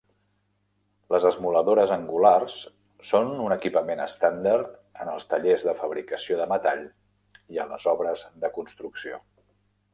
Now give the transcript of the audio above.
Les esmoladores angulars són un equipament estàndard en els tallers de fabricació de metall i en les obres de construcció.